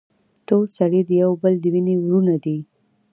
ټول سړي د يو بل د وينې وروڼه دي.